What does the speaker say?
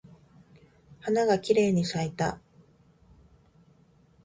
花がきれいに咲いた。